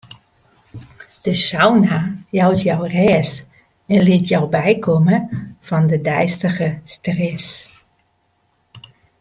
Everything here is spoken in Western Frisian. De sauna jout jo rêst en lit jo bykomme fan de deistige stress.